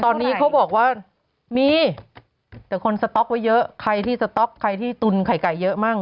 ตอนนี้เขาบอกว่ามีแต่คนสต๊อกไว้เยอะใครที่สต๊อกใครที่ตุนไข่ไก่เยอะมั่ง